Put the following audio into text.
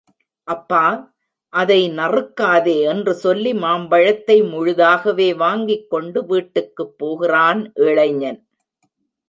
அப்பா, அதை நறுக்காதே என்று சொல்லி மாம்பழத்தை முழுதாகவே வாங்கிக் கொண்டு வீட்டுக்குப் போகிறான் இளைஞன்.